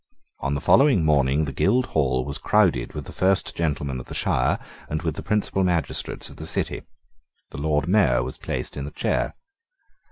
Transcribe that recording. On the following morning the Guildhall was crowded with the first gentlemen of the shire, and with the principal magistrates of the city. The Lord Mayor was placed in the chair.